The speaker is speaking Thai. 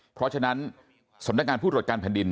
เพราะฉะนั้นสมดักงานผู้หลดการพันธ์ดิน